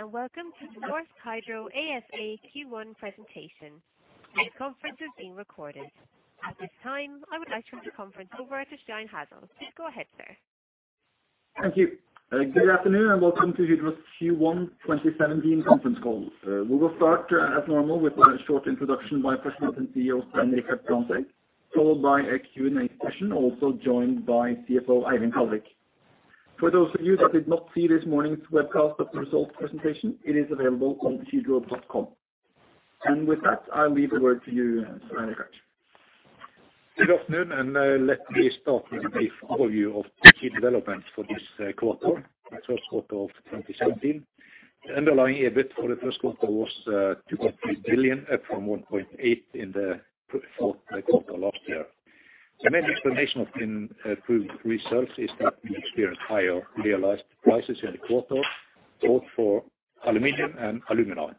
Good day, and welcome to the Norsk Hydro ASA Q1 presentation. This conference is being recorded. At this time, I would like to turn the conference over to Stian Hasle. Please go ahead, sir. Thank you. Good afternoon and welcome to Hydro's Q1 2017 conference call. We will start as normal with a short introduction by President and CEO, Svein Richard Brandtzæg, followed by a Q&A session, also joined by CFO Eivind Kallevik. For those of you that did not see this morning's webcast of the results presentation, it is available on hydro.com. With that, I'll leave the word to you, Svein Richard Brandtzæg. Good afternoon, and let me start with a brief overview of the key developments for this quarter, the first quarter of 2017. The underlying EBIT for the first quarter was 2.3 billion, up from 1.8 billion in the fourth quarter last year. The main explanation of the improved results is that we experienced higher realized prices in the quarter, both for aluminum and Alumina.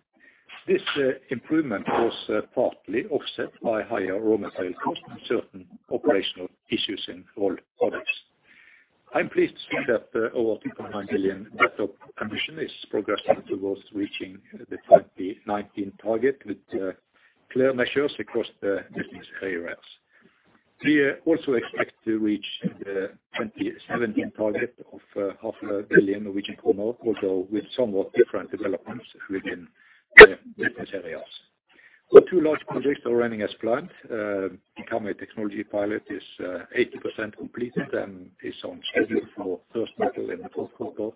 This improvement was partly offset by higher raw material costs and certain operational issues in Rolled Products. I'm pleased to say that our 2.9 billion EBITDA improvement ambition is progressing towards reaching the 2019 target with clear measures across the business areas. We also expect to reach the 2017 target of NOK half a billion in working capital, although with somewhat different developments within the business areas. Our two large projects are running as planned. The Karmøy Technology Pilot is 80% completed and is on schedule for first metal in the fourth quarter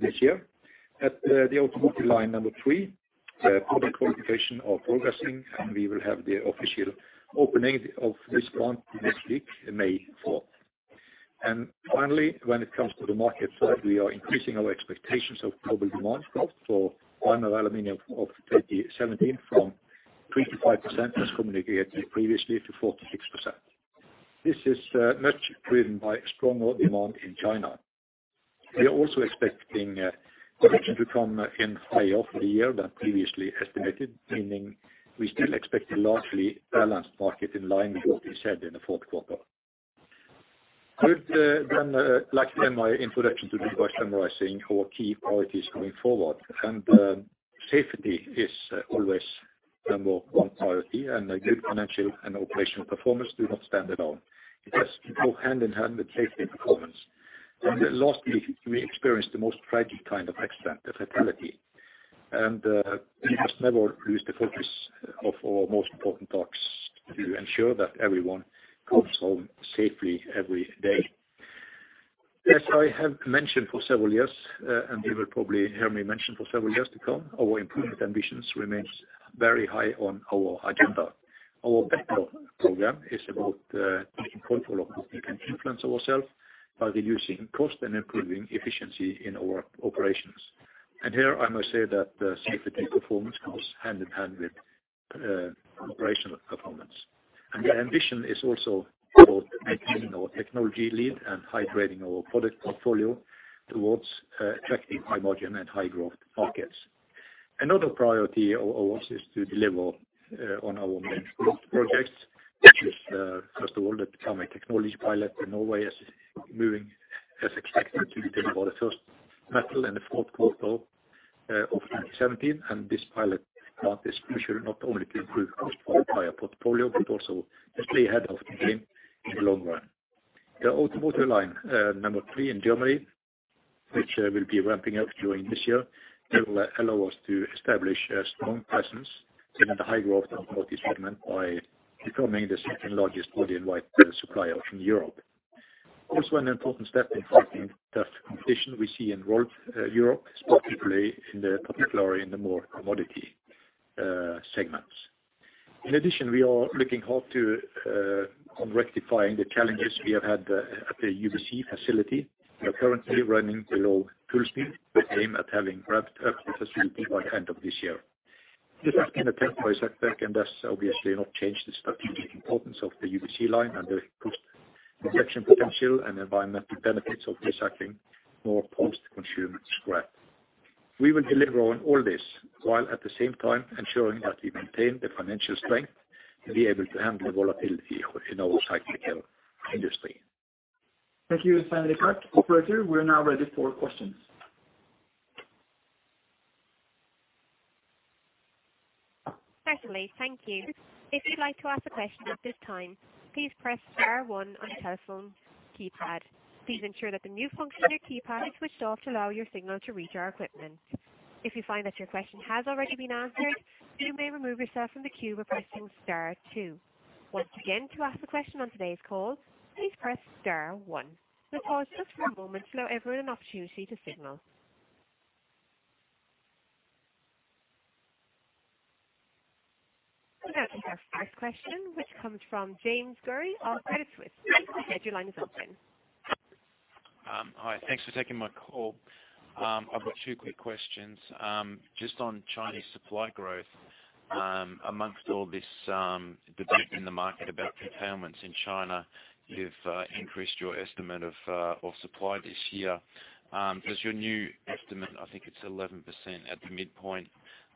this year. At the Automotive Line 3, product qualification are progressing, and we will have the official opening of this plant next week, May 4th. Finally, when it comes to the market side, we are increasing our expectations of global demand growth for primary aluminum of 2017 from 3%-5%, as communicated previously, to 4%-6%. This is much driven by stronger demand in China. We are also expecting production to come in higher for the year than previously estimated, meaning we still expect a largely balanced market in line with what we said in the fourth quarter. I would like to end my introduction today by summarizing our key priorities going forward. Safety is always number one priority, and a good financial and operational performance do not stand alone. It has to go hand in hand with safety performance. Last week, we experienced the most tragic kind of accident, a fatality. We must never lose the focus of our most important task, to ensure that everyone comes home safely every day. As I have mentioned for several years, and you will probably hear me mention for several years to come, our improvement ambitions remains very high on our agenda. Our Better program is about taking control of what we can influence ourselves by reducing cost and improving efficiency in our operations. Here I must say that safety performance goes hand in hand with operational performance. The ambition is also about maintaining our technology lead and upgrading our product portfolio towards attracting high-margin and high-growth markets. Another priority of ours is to deliver on our main growth projects, which is first of all, the Karmøy Technology Pilot in Norway is moving as expected to deliver first metal in the fourth quarter of 2017. This pilot plant is crucial not only to improve cost for our entire portfolio, but also to stay ahead of the game in the long run. The Automotive Line 3 in Germany, which will be ramping up during this year, will allow us to establish a strong presence in the high growth automotive segment by becoming the second largest worldwide supplier in Europe. Also an important step in fighting the competition we see in Rolled Europe, particularly in the more commodity segments. In addition, we are looking hard on rectifying the challenges we have had at the UBC facility. We are currently running below full speed, but aim at having ramped up the facility by the end of this year. This has been a temporary setback and has obviously not changed the strategic importance of the UBC line and the cost reduction potential and environmental benefits of recycling more post-consumer scrap. We will deliver on all this while at the same time ensuring that we maintain the financial strength to be able to handle the volatility in our cyclical industry. Thank you, Svein Richard. Operator, we're now ready for questions. Certainly. Thank you. If you'd like to ask a question at this time, please press star one on your telephone keypad. Please ensure that the mute function on your keypad is switched off to allow your signal to reach our equipment. If you find that your question has already been answered, you may remove yourself from the queue by pressing star two. Once again, to ask a question on today's call, please press star one. We'll pause just for a moment to allow everyone an opportunity to signal. We now take our first question, which comes from James Gurry of Credit Suisse. Please go ahead. Your line is open. Hi. Thanks for taking my call. I've got two quick questions. Just on Chinese supply growth, among all this debate in the market about curtailments in China, you've increased your estimate of supply this year. Does your new estimate, I think it's 11% at the midpoint,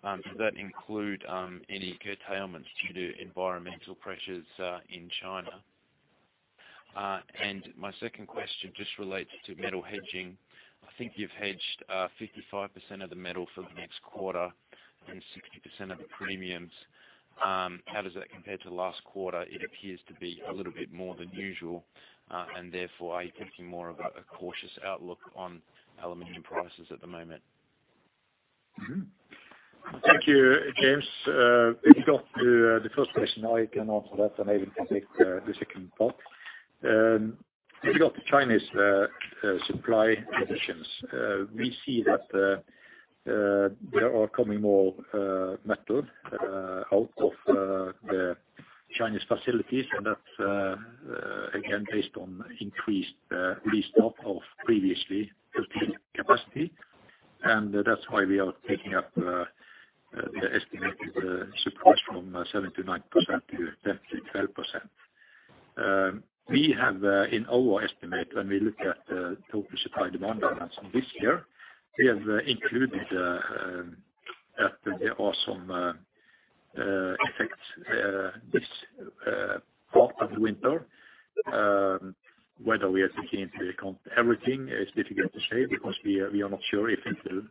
does that include any curtailments due to environmental pressures in China? My second question just relates to metal hedging. I think you've hedged 55% of the metal for the next quarter and 60% of the premiums. How does that compare to last quarter? It appears to be a little bit more than usual. Therefore, are you thinking more about a cautious outlook on aluminum prices at the moment? Thank you, James. If you go to the first question now, I can answer that, and Eivind can take the second part. If you go to Chinese supply positions, we see that there are coming more metal out of the Chinese facilities. That's again based on increased restart of previously capacity. That's why we are taking up the estimated supplies from 7%-9% to 10%-12%. We have, in our estimate, when we look at total supply and demand balance this year, we have included after there are some effects this part of the winter weather. Whether we are taking into account everything is difficult to say because we are not sure if it will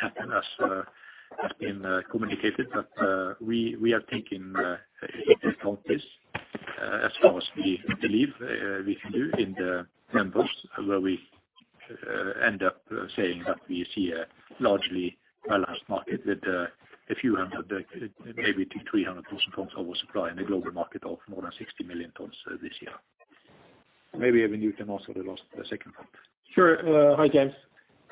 happen as has been communicated. We are taking into account this as far as we believe we can do in the numbers where we end up saying that we see a largely balanced market with a few hundred maybe 200,000-300,000 tons oversupply in a global market of more than 60 million tons this year. Maybe Eivind you can answer the latter, the second part. Sure. Hi, James.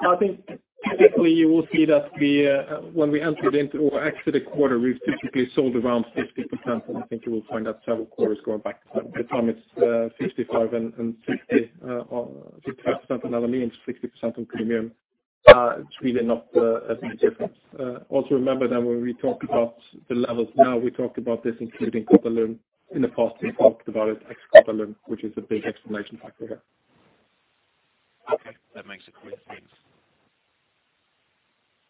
I think typically you will see that we, when we entered into or exit a quarter, we've typically sold around 60%, and I think you will find that several quarters going back to the time it's 65% and 60% or 60% on aluminum, 60% on premium. It's really not a big difference. Also remember that when we talk about the levels now, we talked about this including Qatalum. In the past, we talked about it ex-Qatalum, which is a big explanation factor here. Okay. That makes it clear. Thanks.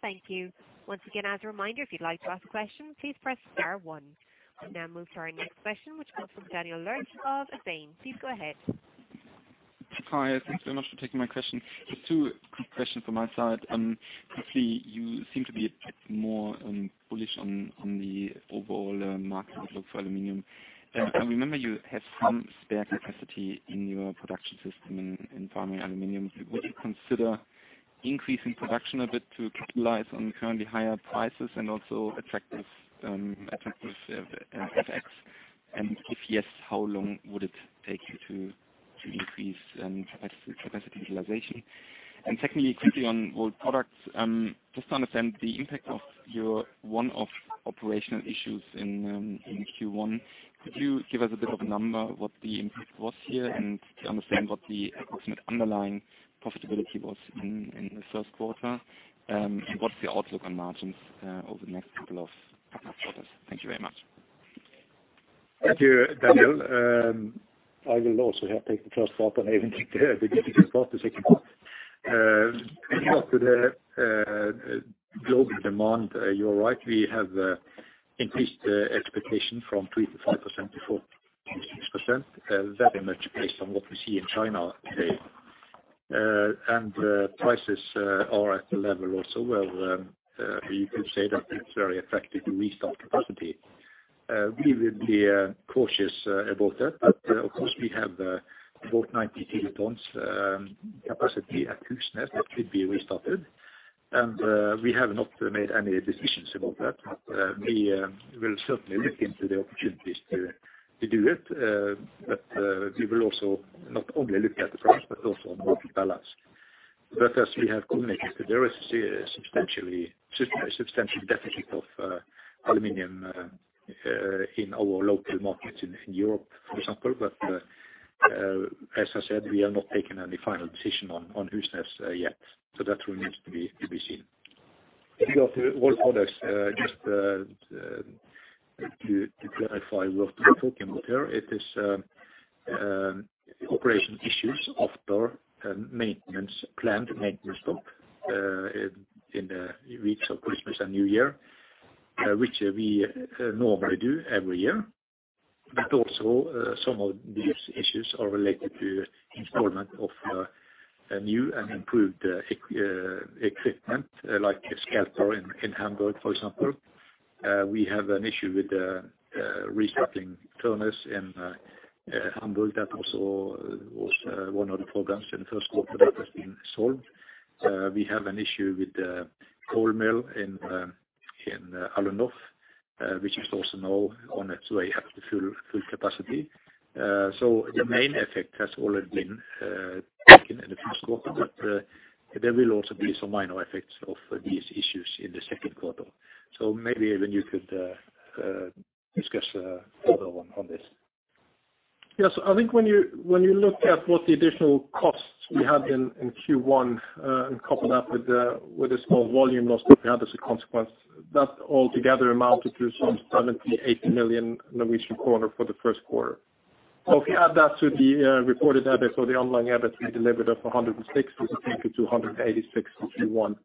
Thank you. Once again, as a reminder, if you'd like to ask a question, please press star one. We now move to our next question, which comes from Daniel Lerm of ABG Sundal. Please go ahead. Hi. Thanks very much for taking my question. Just two quick questions from my side. First, you seem to be a bit more bullish on the overall market look for aluminum. I remember you had some spare capacity in your production system in forming aluminum. Would you consider increasing production a bit to capitalize on currently higher prices and also attractive FX effects? And if yes, how long would it take you to increase capacity utilization? Second, quickly on Rolled Products, just to understand the impact of your one-off operational issues in Q1, could you give us a bit of a number, what the impact was here, and to understand what the approximate underlying profitability was in the first quarter? What's the outlook on margins over the next couple of quarters? Thank you very much. Thank you, Daniel. I will also take the first part and Eivind take the difficult part, the second part. After the global demand, you're right, we have increased expectation from 3%-5% to 4%-6%. Very much based on what we see in China today. Prices are at a level also where we could say that it's very effective to restart capacity. We will be cautious about that. Of course, we have about 90 TW capacity at Husnes that could be restarted. We have not made any decisions about that. We will certainly look into the opportunities to do it. We will also not only look at the price, but also on market balance. As we have communicated, there is a substantial deficit of aluminum in our local markets in Europe, for example. As I said, we have not taken any final decision on Husnes yet, so that remains to be seen. If you go to all products, just to clarify what we're talking about here. It is operational issues after planned maintenance stop in the weeks of Christmas and New Year, which we normally do every year. Also, some of these issues are related to installation of a new and improved equipment like a Scalper in Hamburg, for example. We have an issue with restarting furnace in Hamburg. That also was one of the programs in the first quarter that has been solved. We have an issue with the coal mill in Alunorte, which is also now on its way up to full capacity. The main effect has already been taken in the first quarter, but there will also be some minor effects of these issues in the second quarter. Maybe, Eivind, you could discuss further on this. Yes. I think when you look at what the additional costs we had in Q1 and couple that with the small volume loss that we had as a consequence, that altogether amounted to 70-80 million Norwegian kroner for the first quarter. If you add that to the reported EBIT or the underlying EBIT, we delivered up to NOK 106 million. We take it to NOK 186 million in Q1.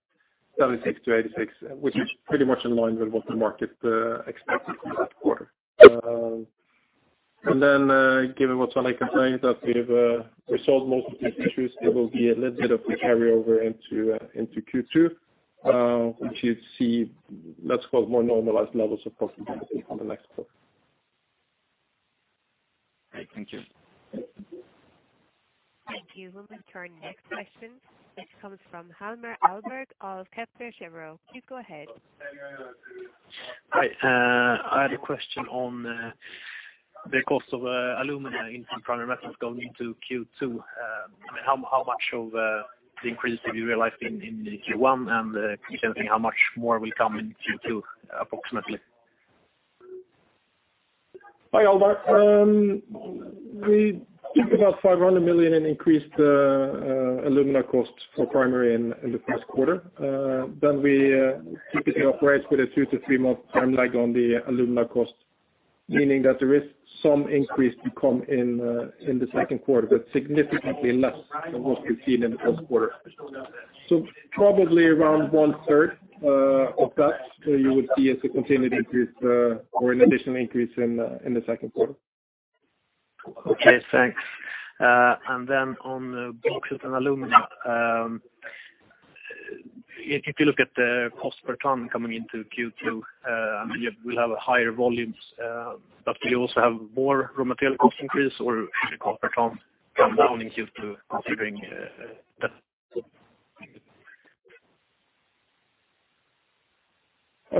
76 million- 86 million, which is pretty much in line with what the market expected for that quarter. Given what Svein Richard is saying, that we have resolved most of these issues, there will be a little bit of a carryover into Q2, which you'd see, let's call more normalized levels of profitability on the next quarter. Great. Thank you. Thank you. We'll take the next question. This comes from Hjalmar Ahlberg of Kepler Cheuvreux. Please go ahead. Hi. I had a question on the cost of Alumina in primary metals going into Q2. How much of the increase have you realized in Q1 and can you say how much more will come in Q2, approximately? Hi, Hjalmar Ahlberg. We think about 500 million in increased Alumina costs for primary in the first quarter. We typically operate with a 2-3 month timeline on the Alumina cost, meaning that there is some increase to come in the second quarter, but significantly less than what we've seen in the first quarter. Probably around one third of that you would see as a continued increase or an additional increase in the second quarter. Okay, thanks. On Bauxite and Alumina, if you look at the cost per ton coming into Q2, I mean, you will have higher volumes, but will you also have more raw material cost increase, or should the cost per ton come down in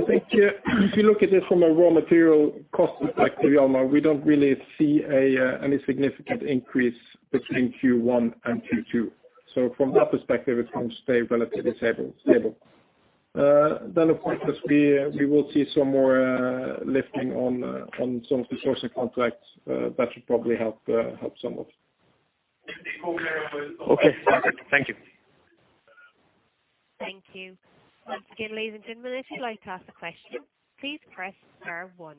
Q2 considering? I think if you look at it from a raw material cost perspective, Hjalmar, we don't really see any significant increase between Q1 and Q2. From that perspective, it will stay relatively stable. Of course, as we will see some more lifting on some of the sourcing contracts, that should probably help somewhat. Okay. Thank you. Thank you. Once again, ladies and gentlemen, if you'd like to ask a question, please press star one.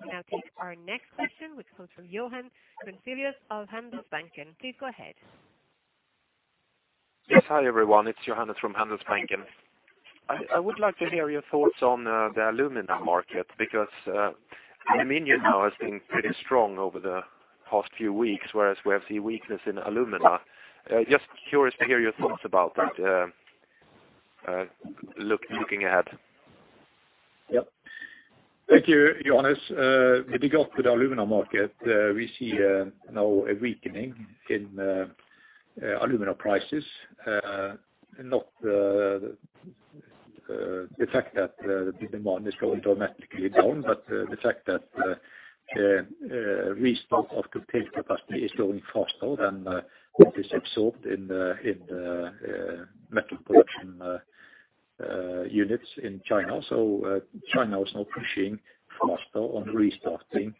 We'll now take our next question, which comes from Johannes Venzelius of Handelsbanken. Please go ahead. Yes. Hi, everyone. It's Johannes from Handelsbanken. I would like to hear your thoughts on the Alumina market because the mining now has been pretty strong over the past few weeks, whereas we have seen weakness in Alumina. Just curious to hear your thoughts about that, looking ahead. Yep. Thank you, Johannes. If you go to the Alumina market, we see now a weakening in Alumina prices, not the fact that the demand is going dramatically down, but the fact that restart of curtailed capacity is growing faster than it is absorbed in the metal production units in China. China is now pushing faster on restarting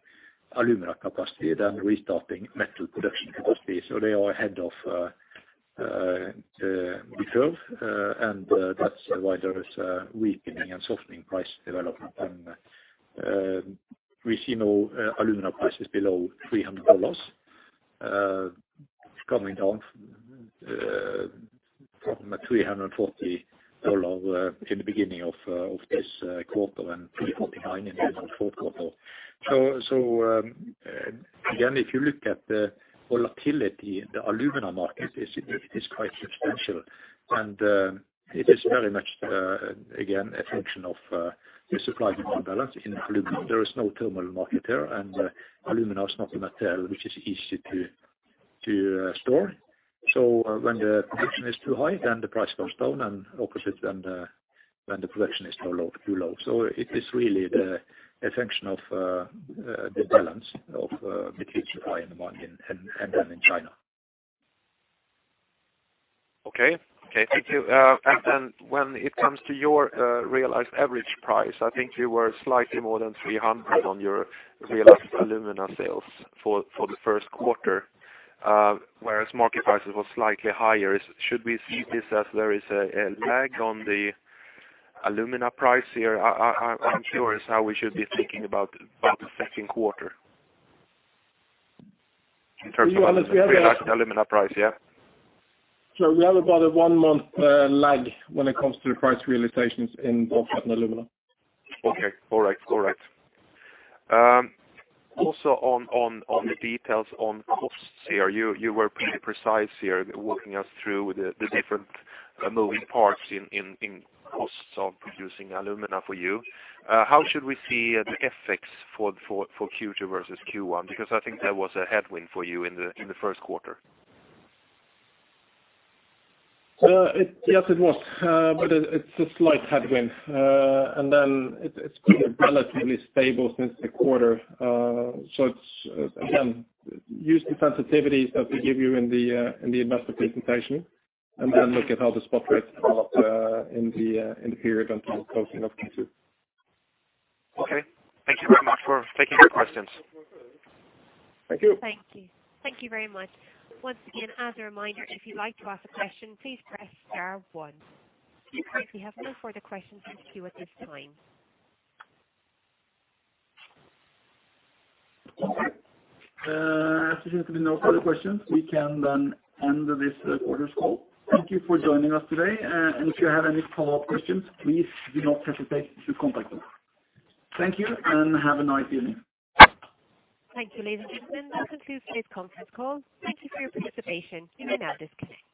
Alumina capacity than restarting metal production capacity. They are ahead of the curve, and that's why there is a weakening and softening price development. We see now Alumina prices below NOK 300 coming down from a NOK 340 in the beginning of this quarter and 349 in the fourth quarter. Again, if you look at the volatility, the Alumina market is quite substantial. It is very much again a function of the supply-demand balance in Alumina. There is no terminal market there, and Alumina is not a metal which is easy to store. When the production is too high, then the price comes down and the opposite when the production is too low. It is really a function of the balance between supply and demand in China. Okay, thank you. When it comes to your realized average price, I think you were slightly more than 300 on your realized Alumina sales for the first quarter, whereas market prices was slightly higher. Should we see this as there is a lag on the Alumina price here? I'm curious how we should be thinking about the second quarter in terms of realized Alumina price, yeah. We have about a one-month lag when it comes to the price realizations in bauxite and Alumina. All right. Also on the details on costs here, you were pretty precise here walking us through the different moving parts in costs of producing Alumina for you. How should we see the FX for Q2 versus Q1? Because I think there was a headwind for you in the first quarter. Yes, it was. It's a slight headwind. It's been relatively stable since the quarter. Again, use the sensitivities that we give you in the investor presentation, and then look at how the spot rates develop in the period until closing of Q2. Okay. Thank you very much for taking the questions. Thank you. Thank you. Thank you very much. Once again, as a reminder, if you'd like to ask a question, please press star one. We currently have no further questions in queue at this time. Okay. As there seems to be no further questions, we can then end this quarter's call. Thank you for joining us today. If you have any follow-up questions, please do not hesitate to contact us. Thank you, and have a nice evening. Thank you, ladies and gentlemen. That concludes today's conference call. Thank you for your participation. You may now disconnect.